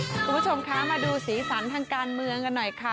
คุณผู้ชมคะมาดูสีสันทางการเมืองกันหน่อยค่ะ